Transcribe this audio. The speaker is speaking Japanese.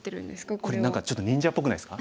これ何かちょっと忍者っぽくないですか。